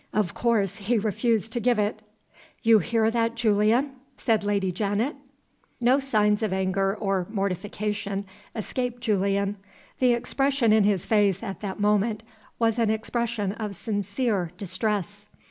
Of course he refused to give it." "You hear that, Julian?" said Lady Janet. No signs of anger or mortification escaped Julian. The expression in his face at that moment was an expression of sincere distress.